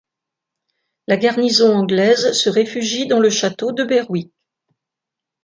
La garnison anglaise se réfugie dans le château de Berwick.